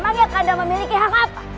emangnya kanjeng memiliki hak apa